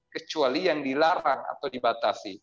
kecuali yang dilarang atau dibatasi